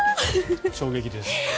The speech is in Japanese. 衝撃です。